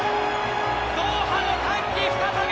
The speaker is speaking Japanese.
ドーハの歓喜、再び。